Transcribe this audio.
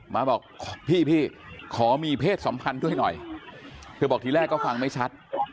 มาบอกพี่พี่ขอมีเพศสัมพันธ์ด้วยหน่อยเธอบอกทีแรกก็ฟังไม่ชัด